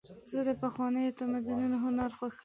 زه د پخوانیو تمدنونو هنر خوښوم.